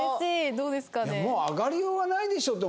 どうですかね。